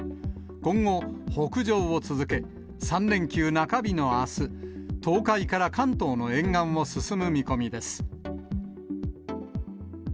今後、北上を続け、３連休中日のあす、東海から関東の沿岸を進む見込みです。